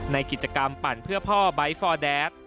ในกิจกรรมปั่นเพื่อพ่อไบท์ฟอร์แดด